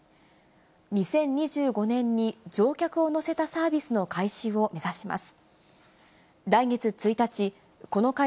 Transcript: ２０２５年に、乗客を乗せたサービスの開始を目指します。